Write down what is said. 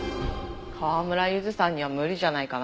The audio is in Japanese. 川村ゆずさんには無理じゃないかな。